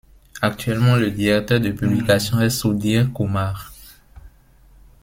Actuellement, le directeur de publication est Sudhir Kumar.